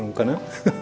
ハハハ。